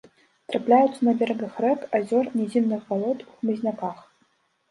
Трапляюцца на берагах рэк, азёр, нізінных балот, у хмызняках.